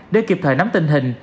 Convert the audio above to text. để kịp thời nắm tình hình